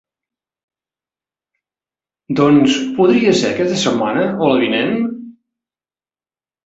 Doncs, podria ser aquesta setmana o la vinent?